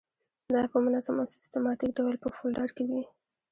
دا په منظم او سیستماتیک ډول په فولډر کې وي.